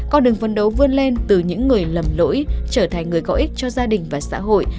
con đường phấn đấu vươn lên từ những người lầm lỗi trở thành người có ích cho gia đình và xã hội